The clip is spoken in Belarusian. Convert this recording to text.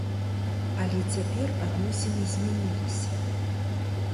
Але цяпер адносіны змяніліся.